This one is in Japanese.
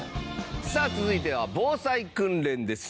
さあ続いては防災訓練です。